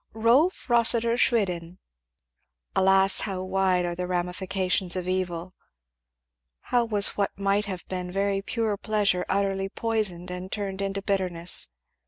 "Rolf Rossitur Schwiden." Alas how wide are the ramifications of evil! How was what might have been very pure pleasure utterly poisoned and turned into bitterness.